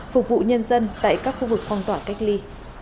phục vụ nhân dân tại các khu vực phong tỏa cách ly